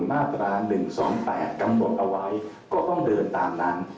มาตรา๑๒๘กำหนดเอาไว้ก็ต้องเดินตามนั้น